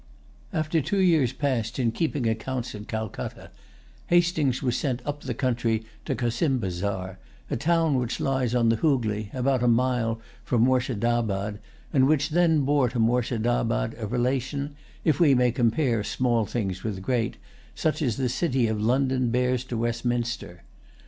After two years passed in keeping accounts at Calcutta, Hastings was sent up the country to Cossimbazar, a town which lies on the Hoogley, about a mile from Moorshedabad, and which then bore to Moorshedabad a relation, if we may compare small things with great, such as the city of London bears to Westminster.